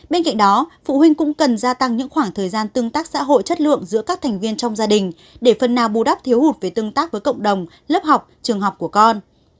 bên cạnh đó phụ huynh cũng cần gia tăng những khoảng thời gian tương tác xã hội chất lượng giữa các thành viên trong gia đình để phần nào bù đắp thiếu hụt về tương tác với cộng đồng lớp học trường học của con